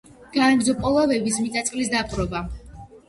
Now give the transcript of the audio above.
განაგრძო პოლაბების მიწა-წყლის დაპყრობა.